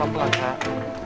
kenapa kalian kabur